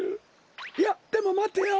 いやでもまてよ！